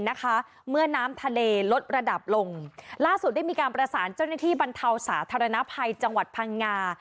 เมื่อน้ำทะเลลดระดับลงล่าสุดได้มีการประสานเจ้าหน้าที่บรรเทาสาธารณภัยจังหวัดพังงา